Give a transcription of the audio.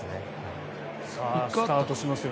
スタートしますよ